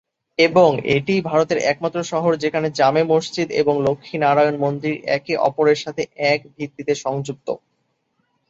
এবং এটিই ভারতের একমাত্র শহর যেখানে "জামে মসজিদ" এবং "লক্ষ্মী নারায়ণ মন্দির" একে অপরের সাথে এক ভিত্তিতে সংযুক্ত।